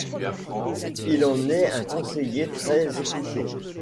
Il en est un conseiller très écouté.